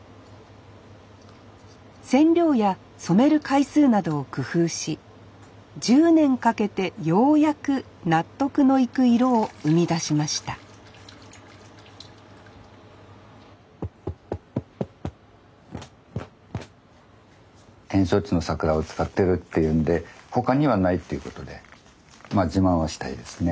染料や染める回数などを工夫し１０年かけてようやく納得のいく色を生み出しました展勝地の桜を使ってるっていうんで他にはないっていうことでまあ自慢はしたいですね。